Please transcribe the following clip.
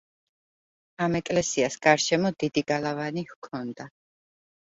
ამ ეკლესიას გარშემო დიდი გალავანი ჰქონდა.